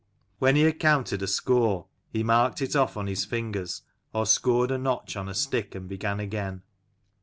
69 When he had counted a score he marked it off on his fingers, or scored a notch on a stick, and began again.